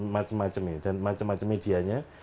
macem macem nih dan macem macem medianya